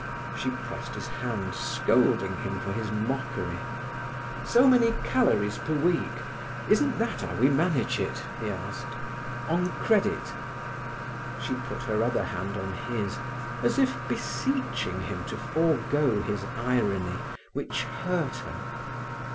She pressed his hand, scolding him for his mockery. "So many calories per week—isn't that how we manage it?" he asked. "On credit?" She put her other hand on his, as if beseeching him to forgo his irony, which hurt her.